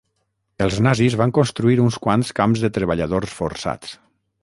Els nazis van construir uns quants camps de treballadors forçats.